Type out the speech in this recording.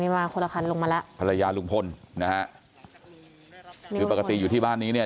มาคนละคันลงมาแล้วภรรยาลุงพลนะฮะคือปกติอยู่ที่บ้านนี้เนี่ย